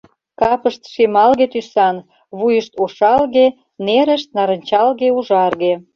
Капышт шемалге тӱсан, вуйышт — ошалге, нерышт — нарынчалге-ужарге.